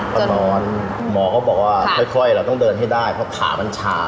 พอนอนหมอก็บอกว่าค่อยเราต้องเดินให้ได้เพราะขามันชา